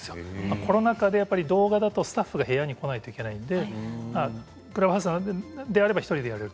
コロナ禍で動画だとスタッフが部屋に来ないといけないのでクラブハウスであれば１人でやれる。